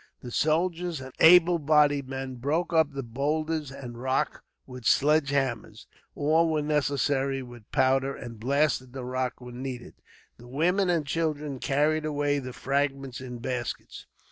The soldiers and able bodied men broke up the boulders and rock with sledgehammers; or, when necessary, with powder, and blasted the rock, when needed. The women and children carried away the fragments in baskets.